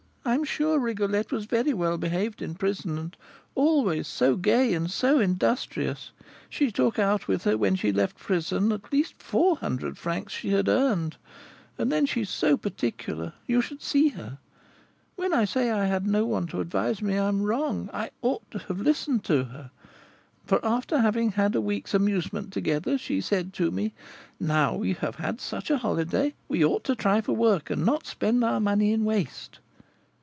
I am sure Rigolette was very well behaved in prison, and always so gay and so industrious, she took out with her when she left the prison at least four hundred francs that she had earned. And then she is so particular! you should see her! When I say I had no one to advise me, I am wrong: I ought to have listened to her; for, after having had a week's amusement together, she said to me, 'Now we have had such a holiday, we ought to try for work, and not spend our money in waste.'